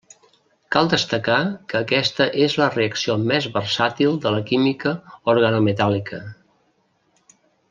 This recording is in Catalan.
Cal destacar que aquesta és la reacció més versàtil de la química organometàl·lica.